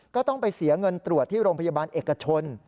ก็ต้องไปเสียเงินตรวจที่โรงพยาบาลเอกชน